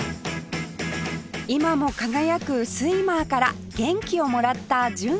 今も輝くスイマーから元気をもらった純ちゃん